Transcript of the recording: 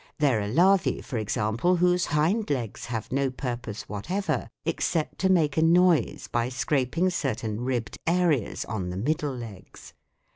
There are larvae, for example, whose hind legs have no purpose whatever except to make a noise by scraping certain ribbed areas on the middle legs.